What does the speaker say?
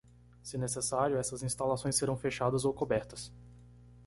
Se necessário, essas instalações serão fechadas ou cobertas.